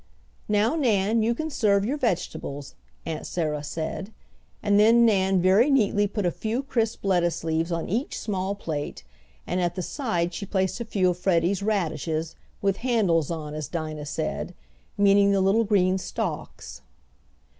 "Now, Nan, you can serve your vegetables," Aunt Sarah said, and then Nan very neatly put a few crisp lettuce leaves on each small plate, and at the side she placed a few of Freddie's radishes, "with handles on" as Dinah said, meaning the little green stalks.